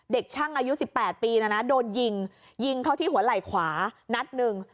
เด็กช่างอายุ๑๘ปีนะนะโดนยิงยิงเข้าที่หัวไหล่ขวานัดหนึ่ง